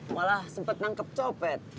malah sempet nangkep copet